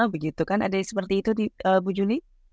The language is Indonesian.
begitu kan ada seperti itu bu juni